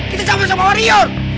kita campur sama warior